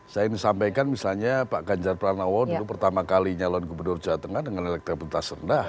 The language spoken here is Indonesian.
saya ingin sampaikan misalnya pak ganjar pranowo dulu pertama kali nyalon gubernur jawa tengah dengan elektabilitas rendah